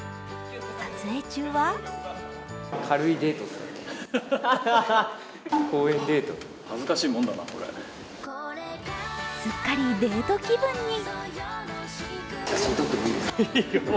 撮影中はすっかりデート気分に。